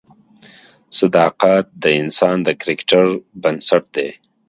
صداقت د انسان د کرکټر بنسټ دی.